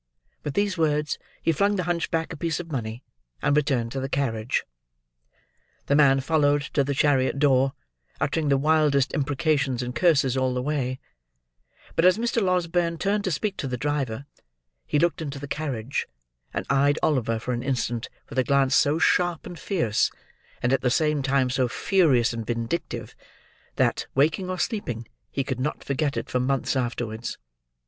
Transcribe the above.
With these words he flung the hunchback a piece of money, and returned to the carriage. The man followed to the chariot door, uttering the wildest imprecations and curses all the way; but as Mr. Losberne turned to speak to the driver, he looked into the carriage, and eyed Oliver for an instant with a glance so sharp and fierce and at the same time so furious and vindictive, that, waking or sleeping, he could not forget it for months afterwards.